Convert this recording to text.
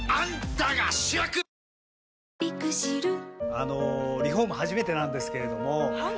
あのリフォーム初めてなんですけれどもはい。